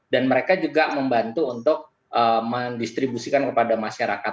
dan mereka juga membantu untuk mendistribusikan kepada masyarakat